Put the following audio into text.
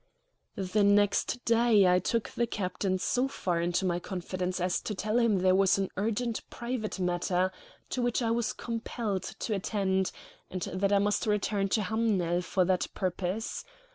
The next day I took the captain so far into my confidence as to tell him there was an urgent private matter to which I was compelled to attend, and that I must return to Hamnel for that purpose.